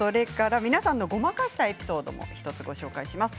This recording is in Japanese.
皆さんのごまかしたエピソードです。